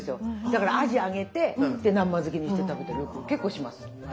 だからアジ揚げて南蛮漬けにして食べたりよく結構します。